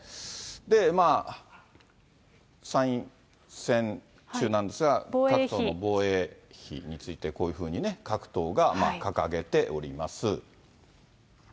で、参院選中なんですが各党の、防衛費についてこういうふうに各党が掲げております。